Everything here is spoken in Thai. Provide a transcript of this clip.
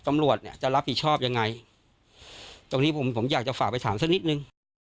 ตำรวจเนี่ยจะรับผิดชอบยังไงตรงนี้ผมผมอยากจะฝากไปถามสักนิดนึง